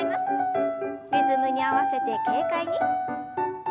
リズムに合わせて軽快に。